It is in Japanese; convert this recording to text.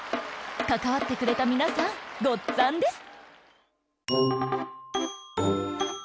かかわってくれたみなさんごっつぁんです！